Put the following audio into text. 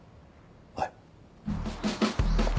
はい。